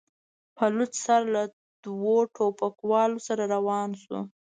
په لوڅ سر له دوو ټوپکوالو سره روان شو.